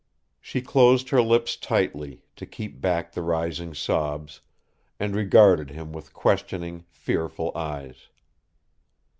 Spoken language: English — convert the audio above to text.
She closed her lips tightly, to keep back the rising sobs, and regarded him with questioning, fearful eyes.